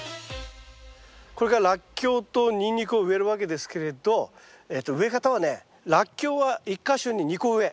これからラッキョウとニンニクを植えるわけですけれど植え方はねラッキョウは１か所に２個植え。